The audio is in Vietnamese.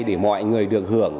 để mọi người được hưởng